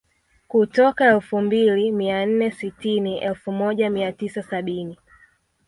kutoka elfu mbili mia nne sitini mwaka elfu moja mia tisa sabini